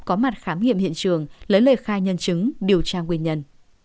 có mặt khám nghiệm hiện trường lấy lời khai nhân chứng điều tra nguyên nhân